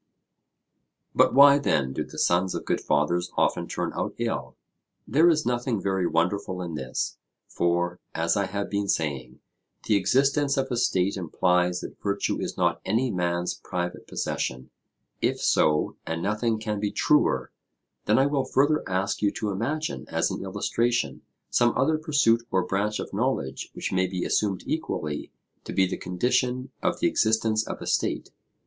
But why then do the sons of good fathers often turn out ill? There is nothing very wonderful in this; for, as I have been saying, the existence of a state implies that virtue is not any man's private possession. If so and nothing can be truer then I will further ask you to imagine, as an illustration, some other pursuit or branch of knowledge which may be assumed equally to be the condition of the existence of a state.